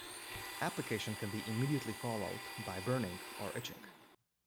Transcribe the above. Application can be immediately followed by burning or itching.